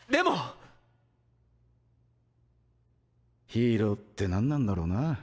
ヒーローって何なんだろうな。